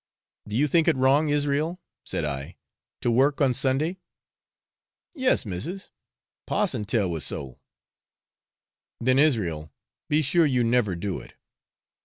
'Do you think it wrong, Israel,' said I, 'to work on Sunday?' 'Yes, missis, parson tell we so.' 'Then, Israel, be sure you never do it.